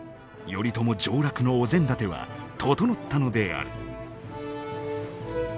頼朝上洛のお膳立ては整ったのである。